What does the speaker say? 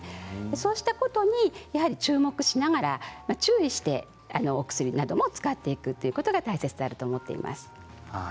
そうしたことに注目しながら注意してお薬などを使っていくということが大切だと思っています。